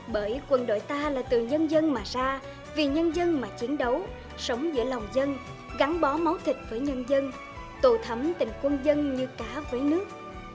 bởi quân đội ta là từ nhân dân mà ra vì nhân dân mà chiến đấu sống giữa lòng dân gắn bó máu thịt với nhân dân tổ thấm tình quân dân như cá với nước